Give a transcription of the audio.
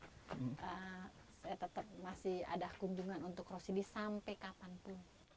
saya tetap masih ada kunjungan untuk rosidi sampai kapanpun